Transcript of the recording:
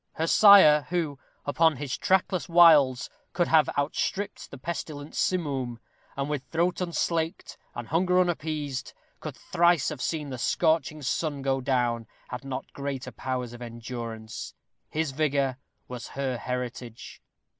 Her sire, who, upon his trackless wilds, could have outstripped the pestilent simoom; and with throat unslaked, and hunger unappeased, could thrice have seen the scorching sun go down, had not greater powers of endurance. His vigor was her heritage.